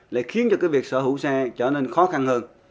lại khiến cho cái việc sở hữu xe trở nên khó khăn hơn